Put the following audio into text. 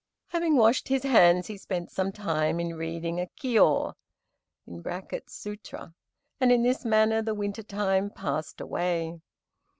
Having washed his hands, he spent some time in reading a Kiô (Sutra), and in this manner the winter time passed away.